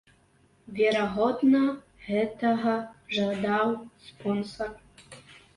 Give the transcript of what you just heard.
Верагодна, гэтага жадаў спонсар.